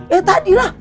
ya tadi lah